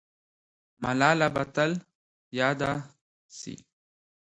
ملاله به تل یاده سي.